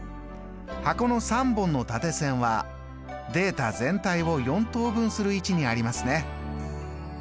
箱の３本の縦線はデータ全体を４等分する位置にありますね。